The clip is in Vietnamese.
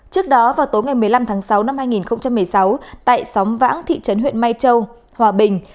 trước đó vào tối ngày một mươi năm tháng sáu năm hai nghìn một mươi sáu tại xóm vãng thị trấn huyện mai châu hòa bình